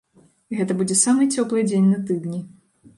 Гэта будзе самы цёплы дзень на тыдні.